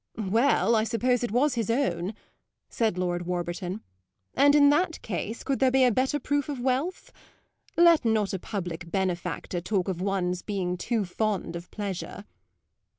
"Well, I suppose it was his own," said Lord Warburton; "and in that case could there be a better proof of wealth? Let not a public benefactor talk of one's being too fond of pleasure."